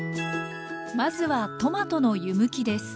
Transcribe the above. まずはトマトの湯むきです。